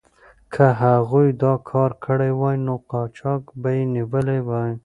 که هغوی دا کار کړی وای، نو قاچاق به یې نیولی وای.